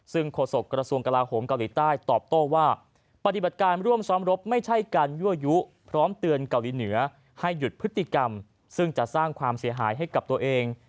ซึ่งโฆษกระทรวงกลาโหมเกาหลีใต้ตอบโต้ว่าปฏิบัติการร่วมซ้อมรบไม่ใช่การยั่วยุพร้อมเตือนเกาหลีเหนือให้หยุดพฤติกรรมซึ่งจะสร้างความเสียหายให้กับตัวเอง